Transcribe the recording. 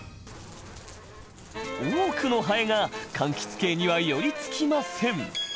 多くのハエがかんきつ系には寄りつきません。